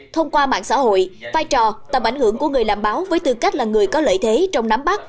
thông qua mạng xã hội vai trò tầm ảnh hưởng của người làm báo với tư cách là người có lợi thế trong nắm bắt